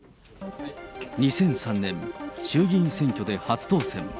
２００３年、衆議院選挙で初当選。